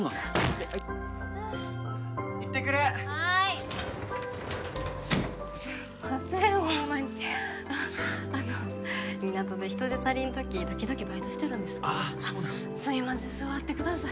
イテッ行ってくるはいすんませんホンマにあの港で人手足りん時時々バイトしてるんですああそうなんすねすいません座ってください